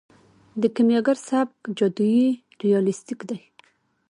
د کیمیاګر سبک جادويي ریالستیک دی.